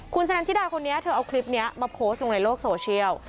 คุณชะนันชิดาคนนี้เธอเอาคลิปนี้มาโพสต์ลงในโลกโซเชียล